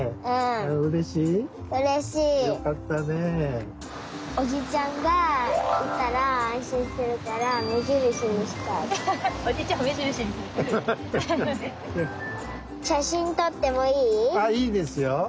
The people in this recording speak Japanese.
あいいですよ。